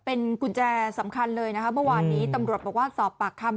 เป็นกุญแจสำคัญเลยนะคะเมื่อวานนี้ตำรวจบอกว่าสอบปากคำ